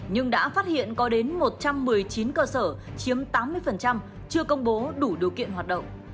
nhưng đã phát hiện có đến một trăm một mươi chín cơ sở chiếm tám mươi chưa công bố đủ điều kiện hoạt động